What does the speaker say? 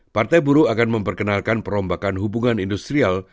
partai buruh akan memperkenalkan perombakan hubungan industrial